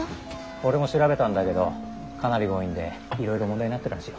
俺も調べたんだけどかなり強引でいろいろ問題になってるらしいよ。